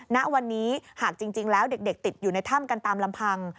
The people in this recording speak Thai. ณวันนี้หากจริงแล้วเด็กติดอยู่ในถ้ำกันตามลำพัง